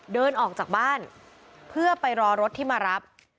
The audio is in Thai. เดินออกจากบ้านเพื่อไปรอรถที่มารับ